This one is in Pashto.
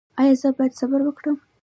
ایا زه باید صبر وکړم؟